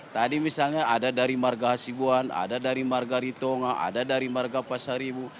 tadi misalnya ada dari marga hasibuan ada dari marga ritonga ada dari marga pasaribu